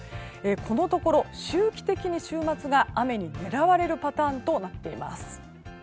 このところ周期的に週末が雨に狙われるパターンとなっています。